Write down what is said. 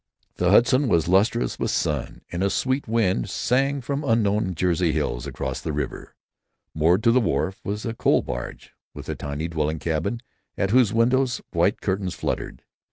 The Hudson was lustrous with sun, and a sweet wind sang from unknown Jersey hills across the river. Moored to the wharf was a coal barge, with a tiny dwelling cabin at whose windows white curtains fluttered.